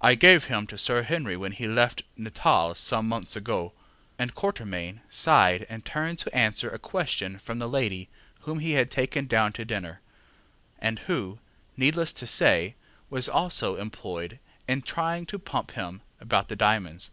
I gave them to Sir Henry when he left Natal some months ago; ŌĆØ and Mr. Quatermain sighed and turned to answer a question from the lady whom he had taken down to dinner, and who, needless to say, was also employed in trying to pump him about the diamonds.